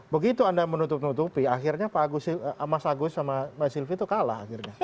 begitu anda menutup tutupi akhirnya pak agus mas agus sama pak sylvi itu kalah akhirnya